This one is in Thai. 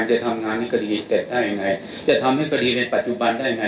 จะทำงานในคดีเกิดได้ยังไงจะทำให้คดีในปัจจุบันได้ยังไง